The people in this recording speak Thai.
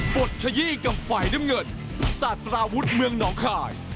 ปดขยีกับไฝด้ำเงินสาธาราวุธเมืองหนองคาย